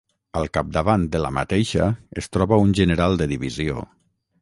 Al capdavant de la mateixa es troba un general de divisió.